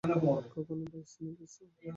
কখনো বায়োসিনে গেছো?